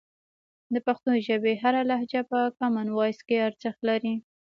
د پښتو ژبې هره لهجه په کامن وایس کې ارزښت لري.